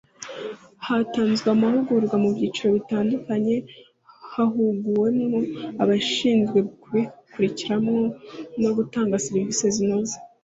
hatanzwe amahugurwa mu byiciro bitandukanye hahuguwe abashinzwe kubikumira no gutanga serivisi zinoze